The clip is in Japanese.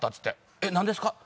「えっなんですか？」。